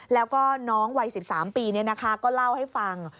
แล้วก็น้องวัย๑๓ปีก็เล่าให้ฟัง